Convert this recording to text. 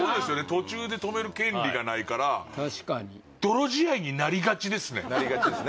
途中で止める権利がないから確かになりがちですね